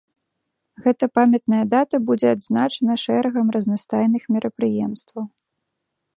Гэта памятная дата будзе адзначана шэрагам разнастайных мерапрыемстваў.